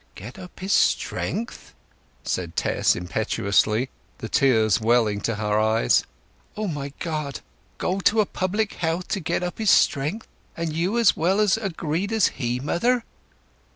"Get up his strength!" said Tess impetuously, the tears welling to her eyes. "O my God! Go to a public house to get up his strength! And you as well agreed as he, mother!"